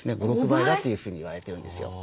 ５６倍だというふうに言われてるんですよ。